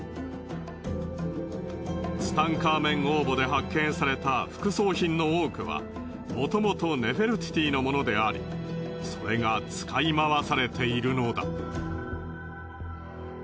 ツタンカーメン王墓で発見された副葬品の多くはもともとネフェルティティのものでありそれが使いまわされているのだ。